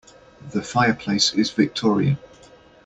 This fireplace is Victorian.